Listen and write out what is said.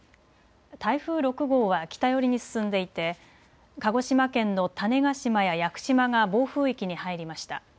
台風６号は北寄りに進んでいて鹿児島県の種子島や屋久島が暴風域に入りました。